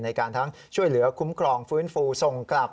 ในการทั้งช่วยเหลือคุ้มครองฟื้นฟูส่งกลับ